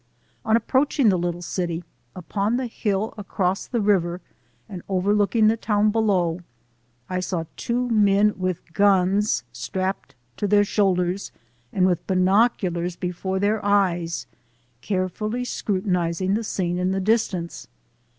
On approaching the little city, upon the hill across the river and overlooking the town below, I saw two men with guns strapped to their shoulders and with binoc ulars before their eyes, carefully scrutinizing the scene in the distance.